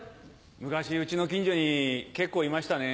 昔うちの近所に結構いましたね。